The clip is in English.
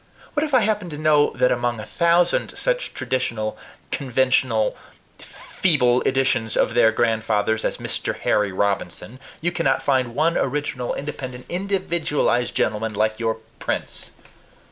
What if I happen to know that among a thousand such traditional, conventional, feeble editions of their grandfathers as Mr. Harry Robinson, you cannot find one original, independent, individualized gentleman like your Prince!